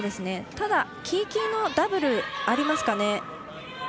ただ、黄、黄のダブルありますかね。